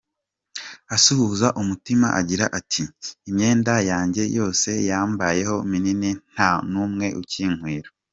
Asuhuza umutima agira ati: “imyenda yanjye yose yambayeho minini nta n’umwe ukinkwira.